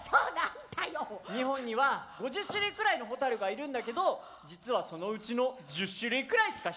日本には５０種類くらいのホタルがいるんだけど実はそのうちの１０種類くらいしか光らないんだ。